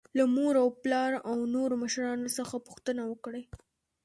له مور او پلار او نورو مشرانو څخه پوښتنه وکړئ.